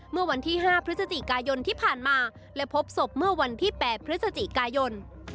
เมื่อวันที่๕พฤศจิกายนที่ผ่านมาและพบศพเมื่อวันที่๘พฤศจิกายน